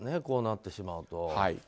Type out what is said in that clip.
こうなってしまうと。